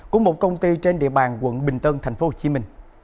của một công ty trên địa bàn quận bình tân tp hcm